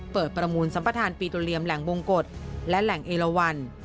เปิดประมูลสัมภาษณ์ปีโตเรียมแหล่งบงกฎและแหล่งเอลวัน